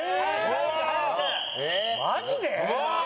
マジで？